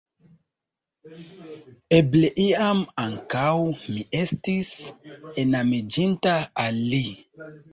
Eble, iam, ankaŭ mi estis enamiĝinta al li.